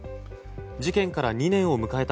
事件から２年を迎えた